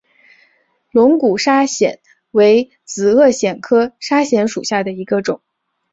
龙骨砂藓为紫萼藓科砂藓属下的一个种。